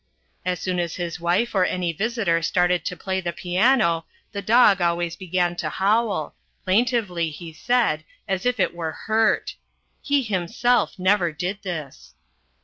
As soon as his wife or any visitor started to play the piano the dog always began to howl plaintively, he said as if it were hurt. He himself never did this.